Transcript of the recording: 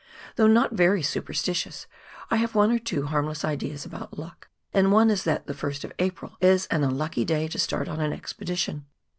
Though not very superstitious, I have one or two harmless ideas about luck, and one is that the 1st of April is an unlucky day to start on an expedition.